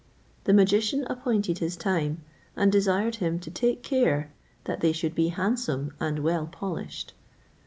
The magician appointed his time, and desired him to take care that they should be handsome and well polished.